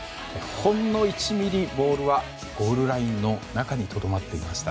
ほんの１ｍｍボールはゴールラインの中にとどまっていました。